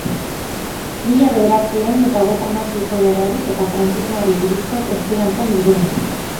Mila bederatziehun eta hogeita hamaseiko gerrari eta frankismoari buruzko testigantzen bilduma.